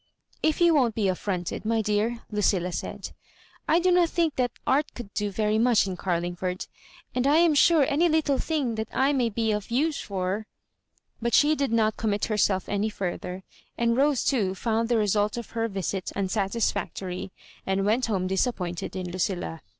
" If you won't be affronted, my dear," Lucilla said, " I do not think that Art could do very much in Oarlingford; and I am sure any little thing that I may be of use for—" But she did not commit herself any further, and Rose too found the result of her visit unsatisfac tory, and went home disappointed in Lucilla.